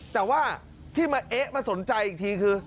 แต่ว่าที่มาเอ๊ะมาสนใจอีกทีคือ